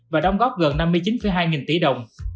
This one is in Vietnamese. và đóng góp gần năm mươi chín hai nghìn tỷ đồng